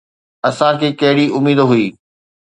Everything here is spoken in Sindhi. اسان کي ڪهڙي اميد هئي؟